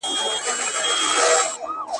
د لغمان په ولایت کې لرغوني اثار وموندل شول.